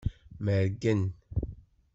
Mergen.